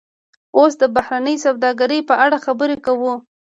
اوس د بهرنۍ سوداګرۍ په اړه خبرې کوو